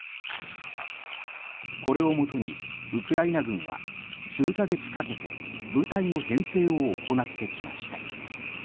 これをもとにウクライナ軍は数か月かけて部隊の編成を行ってきました。